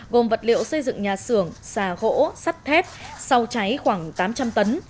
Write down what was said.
gồm vật liệu xây dựng nhà xưởng xà gỗ sắt thép sau cháy khoảng tám trăm linh tấn